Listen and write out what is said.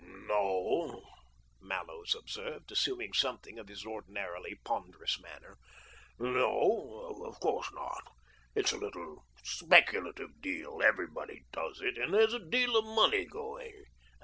" No," Mallows observed, assuming something of his ordinarily ponderous manner; "no, of course not. It's a little speculative deal. Everybody does it, and there's a deal of money going."